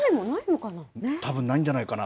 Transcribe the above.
たぶんないんじゃないかな。